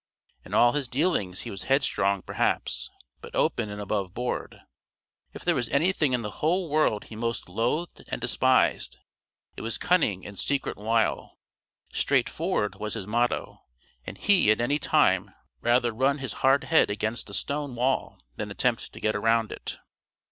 In all his dealings he was headstrong perhaps, but open and above board; if there was anything in the whole world he most loathed and despised, it was cunning and secret wile; "straight forward" was his motto, and he at any time rather run his hard head against a stone wall than attempt to get round it.